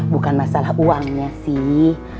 bukan masalah uangnya sih